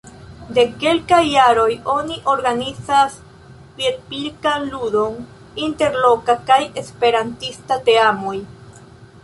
De kelkaj jaroj, oni organizas piedpilkan ludon inter loka kaj esperantista teamoj.